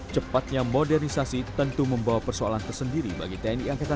cepatnya modernisasi tentu membawa persoalan tersendiri bagi tni angkatan laut